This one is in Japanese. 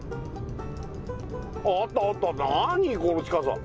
あっあったあった何この近さ